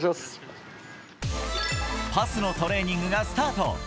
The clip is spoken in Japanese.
パスのトレーニングがスタート。